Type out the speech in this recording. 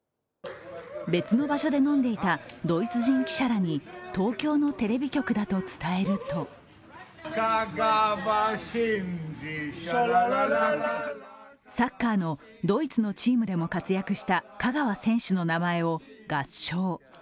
別の場所で飲んでいたドイツ人記者らに、東京のテレビ局だと伝えるとサッカーのドイツのチームでも活躍した香川選手の名前を合唱。